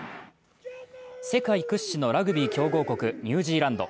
世界屈指のラグビー強豪国ニュージーランド。